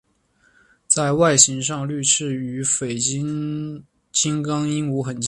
在外形上绿翅与绯红金刚鹦鹉很接近。